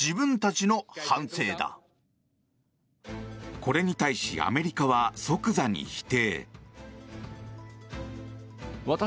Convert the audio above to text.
これに対し、アメリカは即座に否定。